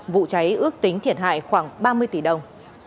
vụ cháy ước tính thiệt hại khoảng ba mươi tỷ đồng